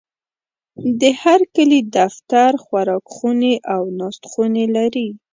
د هرکلي دفتر، خوراکخونې او ناستخونې لري.